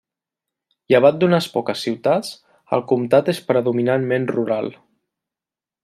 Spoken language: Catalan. Llevat d'unes poques ciutats el comtat és predominantment rural.